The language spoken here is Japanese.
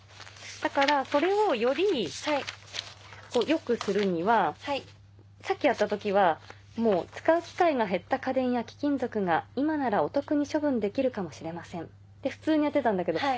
だからそれをより良くするにはさっきやった時はもう「使う機会が減った家電や貴金属が今ならお得に処分できるかもしれません」って普通にやってたんだけど。